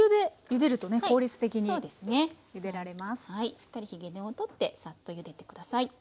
しっかりひげ根を取ってサッとゆでて下さい。